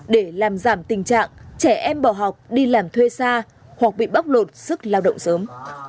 để làm giảm tình trạng trẻ em bỏ học đi làm thuê xa hoặc bị bóc lột sức lao động sớm